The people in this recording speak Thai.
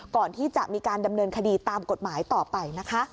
ก่อนที่จะมีการดำเนินคดีตามกฎหมายต่อไปนะคะ